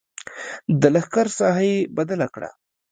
د لښکر ساحه یې بدله کړه.